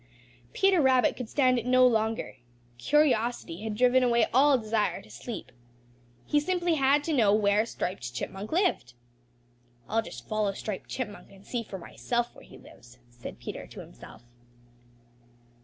Peter Rabbit could stand it no longer. Curiosity had driven away all desire to sleep. He simply had to know where Striped Chipmunk lived. "I'll just follow Striped Chipmunk and see for myself where he lives," said Peter to himself.